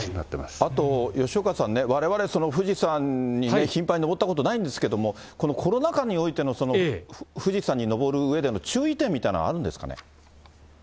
あと、吉岡さんね、われわれ、富士山に頻繁に登ったことないんですけれども、このコロナ禍においての富士山に登るうえでの注意点みたいなの、あるんですかね。